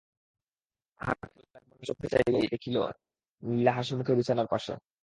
কাহার ঠেলায় ঘুম ভাঙিয়া চোখ চাহিয়াই দেখিল-লীলা হাসিমুখে বিছানার পাশে।